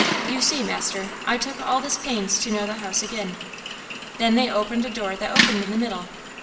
You see, master, I took all this pains to know the house agin. Then they opened a door that opened in the middle.